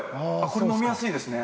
これ飲みやすいですね。